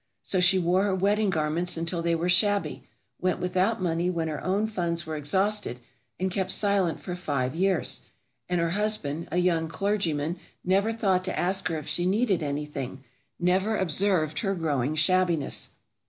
So she wore her wedding garments until they were shabby, went without money when her own funds were exhausted, and kept silent for five years, and her husband—a young clergyman—never thought to ask her if she needed anything, never observed her growing shabbiness.